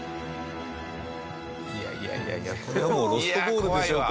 いやいやこれはもうロストボールでしょこれ。